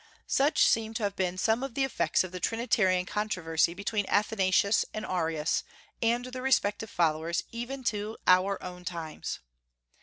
Such seem to have been some of the effects of the Trinitarian controversy between Athanasius and Arius, and their respective followers even to our own times.